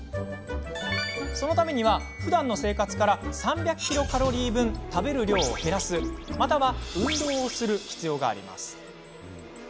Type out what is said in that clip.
そのためには、ふだんの生活から３００ｋｃａｌ分食べる量を減らすまたは運動をする必要があります。